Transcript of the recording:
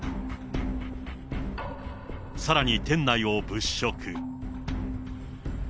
さらに店内を物色。